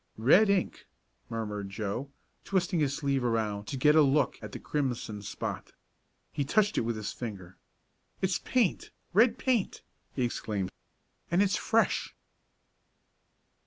"Red ink," murmured Joe, twisting his sleeve around to get a look at the crimson spot. He touched it with his finger. "It's paint red paint!" he exclaimed, "and it's fresh!"